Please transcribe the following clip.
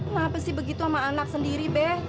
kenapa sih begitu sama anak sendiri be